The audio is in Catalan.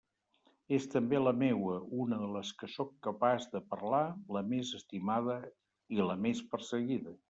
És també la meua, una de les que sóc capaç de parlar, la més estimada..., i la més perseguida.